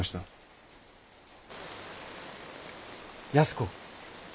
安子。